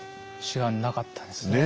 知らなかったですね。